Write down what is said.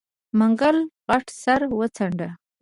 منګلي غټ سر وڅنډه.